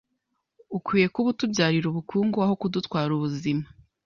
ukwiye kuba utubyarira ubukungu aho kudutwara ubuzima,